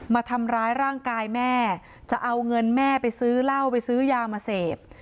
มาทำร้ายร่างกายแม่จะเอาเงินแม่ไปซื้อเหล้าไปซื้อยามาเสพ